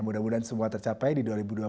mudah mudahan semua tercapai di dua ribu dua puluh